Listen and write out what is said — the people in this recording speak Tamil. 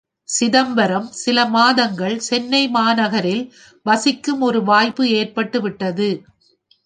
சிதம்பரம் சில மாதங்கள் சென்னை மாநகரில் வசிக்கும் ஒரு வாய்ப்பு ஏற்பட்டு விட்டது.